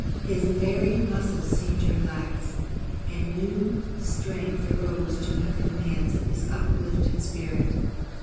His very muscles seemed to relax, and new strength arose to meet the demands of his uplifted spirit.